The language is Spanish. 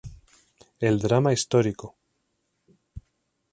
El drama histórico.